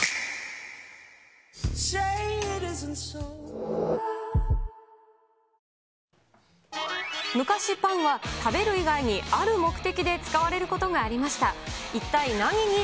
ニトリ昔、パンは食べる以外にある目的で使われることがありました。